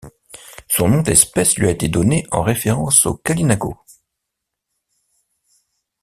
Son nom d'espèce lui a été donné en référence au Kalinagos.